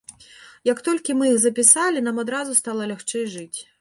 Як толькі мы іх запісалі, нам адразу стала лягчэй жыць.